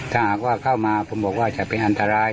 ถ้าหากว่าเข้ามาผมบอกว่าจะเป็นอันตราย